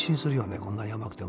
こんなに甘くても。